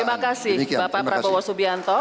terima kasih bapak prabowo subianto